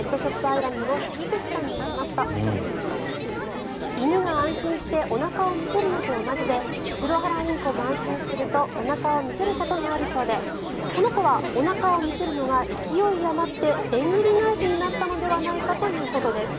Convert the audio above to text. アイランドの関口さんによりますと犬が安心しておなかを見せるのと同じでシロハラインコも安心するとおなかを見せることがあるそうでこの子はおなかを見せるのが勢い余ってでんぐり返しになったのではないかということです。